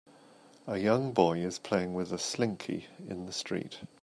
A young boy is playing with a slinky in the street